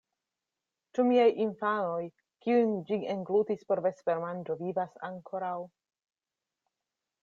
"Ĉu miaj infanoj, kiujn ĝi englutis por vespermanĝo, vivas ankoraŭ?"